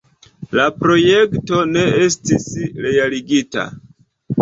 La projekto ne estis realigita.